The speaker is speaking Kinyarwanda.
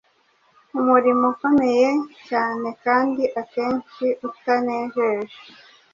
umurimo ukomeye cyane kandi akenshi utanejeje